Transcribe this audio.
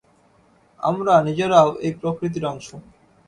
আমরা নিজেরাও এই প্রকৃতির অংশ।